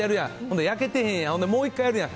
で、焼けてへんやん、で、もう一回やるやん。